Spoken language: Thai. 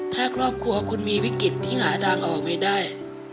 ถ้าครอบครัวคุณมีวิกฤตที่หาทางออกไม่ได้